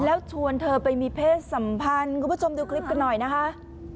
แล้วชวนเธอไปมีเพศสัมพันธ์คุณผู้ชมดูคลิปกันหน่อยนะคะ